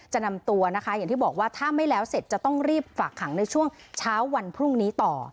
นำตัวนะคะอย่างที่บอกว่าถ้าไม่แล้วเสร็จจะต้องรีบฝากขังในช่วงเช้าวันพรุ่งนี้ต่อ